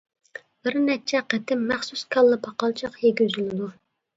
بىر نەچچە قېتىم مەخسۇس كاللا-پاقالچاق يېگۈزۈلىدۇ.